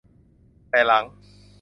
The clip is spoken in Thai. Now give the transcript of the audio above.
แต่หลัง